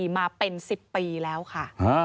มาเป็น๑๐ปีแล้วค่ะ